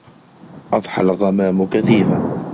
أَضْحَى الْغَمَامُ كَثِيفًا.